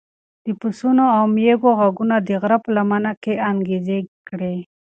د پسونو او مېږو غږونه د غره په لمنه کې انګازې کړې.